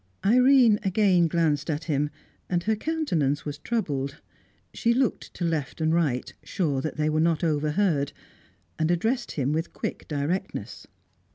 Irene again glanced at him, and her countenance was troubled. She looked to left and right, sure that they were not overheard, and addressed him with quick directness.